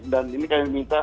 dan ini kami minta